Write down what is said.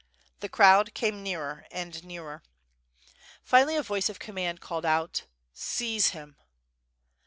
The crowd came nearer and nearer. Finally a voice of command called out: "Seize him!"